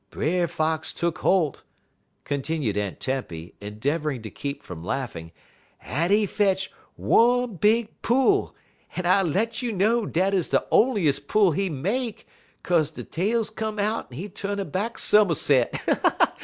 "Brer Fox tuck holt," continued Aunt Tempy, endeavoring to keep from laughing, "un he fetch'd one big pull, un I let you know dat 'uz de onliest pull he make, 'kaze de tails come out un he tu'n a back summerset.